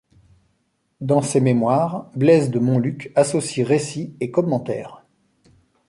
Dans ses mémoires, Blaise de Monluc associe récit et commentaires.